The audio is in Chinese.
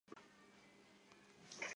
嗜盐古菌素有的属于多肽。